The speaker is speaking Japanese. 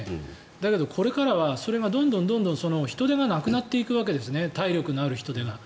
だけどこれからはそれがどんどん人手がなくなっていくわけですね体力のある人手が。